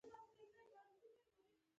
اصطلاح د غونډ په بڼه وي او مانا یې نیمګړې وي